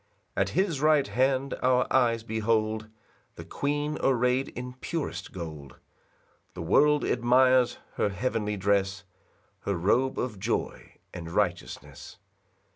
2 At his right hand our eyes behold The queen array'd in purest gold; The world admires her heavenly dress, Her robe of joy and righteousness.